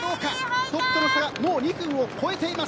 トップとの差はもう２分を超えています。